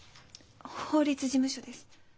法律事務所です。